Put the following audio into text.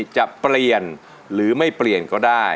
จะเปลี่ยนหรือไม่เปลี่ยนก็ได้